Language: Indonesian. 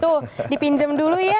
tuh dipinjam dulu ya